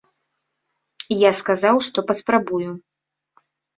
Я сказаў, што паспрабую.